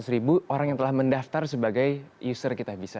empat ratus ribu orang yang telah mendaftar sebagai user kitabisa